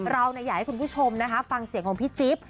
เราอยากให้คุณผู้ชมนะคะฟังเสียงของพี่จิ๊บ